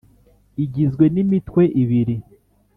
Igizwe n imitwe ibiri